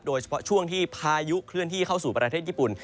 โดยเฉพาะช่วงที่พายุเคลื่อนที่เข้าสู่ประเทศญี่ปุ่น